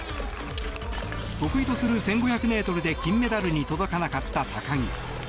得意とする１５００ｍで金メダルに届かなかった高木。